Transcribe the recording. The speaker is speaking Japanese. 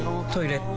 トイレ